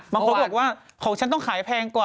บางคนบอกว่าของฉันต้องขายแพงกว่า